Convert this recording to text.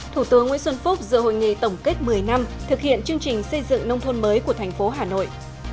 thủ tướng nguyễn xuân phúc dự hội nghị tổng kết một mươi năm thực hiện chương trình xây dựng nông thôn mới của thành phố hà nội